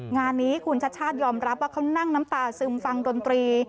งานนี้คุณชัชชาติยอมรับว่าเขานั่งน้ำตาซึมฟังดนตรี